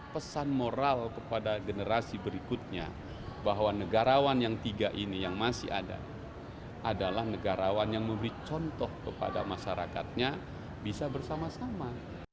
pesan moral kepada generasi berikutnya bahwa negarawan yang tiga ini yang masih ada adalah negarawan yang memberi contoh kepada masyarakatnya bisa bersama sama